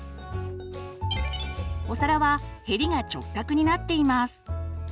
お皿はヘリが直角になっています。